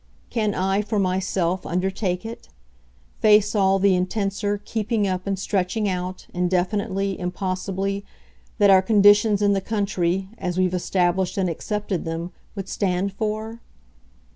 Can I, for myself, undertake it? face all the intenser keeping up and stretching out, indefinitely, impossibly, that our conditions in the country, as we've established and accepted them, would stand for?"